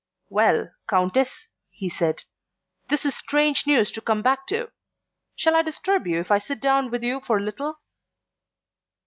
"Well, Countess," he said, "this is strange news to come back to. Shall I disturb you if I sit down with you for little?"